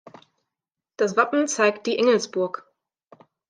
Das Wappen zeigt die Engelsburg.